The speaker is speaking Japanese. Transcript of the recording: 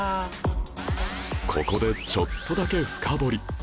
ここでちょっとだけ深掘り